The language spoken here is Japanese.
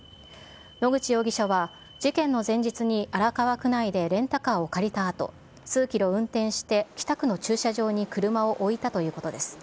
野口容疑者は事件の前日に荒川区内でレンタカーを借りたあと、数キロ運転して、北区の駐車場に車を置いたということです。